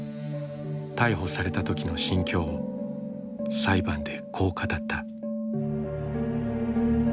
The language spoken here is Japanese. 逮捕された時の心境を裁判でこう語った。